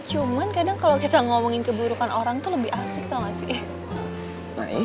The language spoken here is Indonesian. cuman kadang kalau kita ngomongin keburukan orang tuh lebih asik sama sih